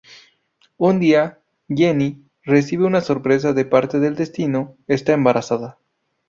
Un día, Jenny recibe una sorpresa de parte del destino: está embarazada.